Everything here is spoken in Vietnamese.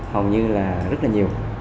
hầu như là rất là nhiều